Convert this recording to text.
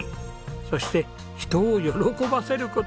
そして人を喜ばせる事が大好き。